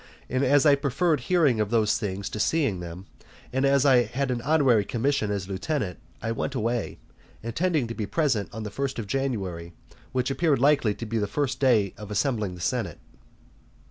And as I preferred hearing of those things to seeing them, and as I had an honorary commission as lieutenant, I went away, intending to be present on the first of January, which appeared likely to be the first day of assembling the senate.